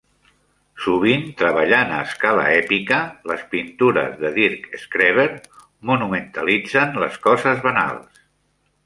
Sovint treballant a escala èpica, les pintures de Dirk Skreber monumentalitzen les coses banals.